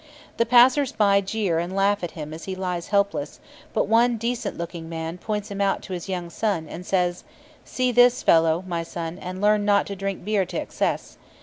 The passers by jeer and laugh at him as he lies helpless; but one decent looking man points him out to his young son, and says: "See this fellow, my son, and learn not to drink beer to excess.